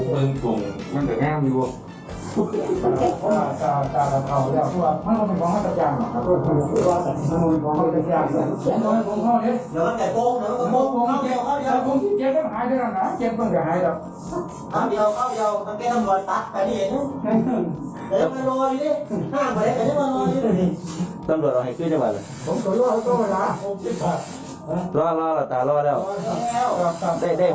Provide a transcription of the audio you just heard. มันรออยู่ตรงนี้ห้ามไปโหลยตำรวจค่ะใช่ไหม